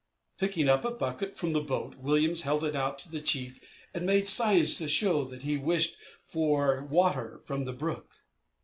Picking up a bucket from the boat, Williams held it out to the chief and made signs to show that he wished for water from the brook.